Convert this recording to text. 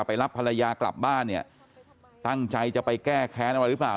รับภรรยากลับบ้านเนี่ยตั้งใจจะไปแก้แค้นอะไรหรือเปล่า